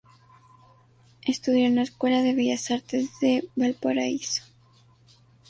Estudió en la Escuela de Bellas Artes de Valparaíso.